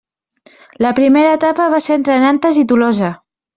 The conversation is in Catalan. La primera etapa va ser entre Nantes i Tolosa.